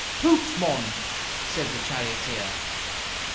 "Hoots, mon!" said the charioteer.